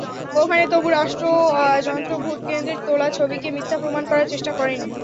ওখানে তবু রাষ্ট্রযন্ত্র ভোটকেন্দ্রের তোলা ছবিকে মিথ্যা প্রমাণ করার চেষ্টা করেনি।